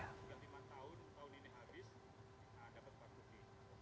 ketika lima tahun tahun ini habis kita akan berbagi